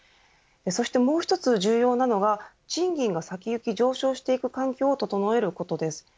そしてもう一つ重要なのは賃金が先行き上昇していく環境を整えることです。